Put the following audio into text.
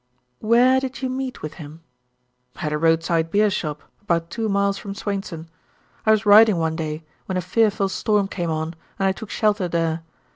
"Where did you meet with him?" "At a roadside beer shop, about two miles from Swainson. I was riding one day, when a fearful storm came on, and I took shelter there.